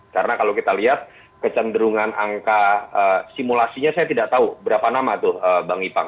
karena kalau kita lihat kecenderungan angka simulasinya saya tidak tahu berapa nama tuh bang ipang